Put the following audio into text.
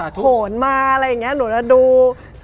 โถนมาอะไรอย่างนี้หนูจะดู